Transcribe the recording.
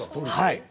はい。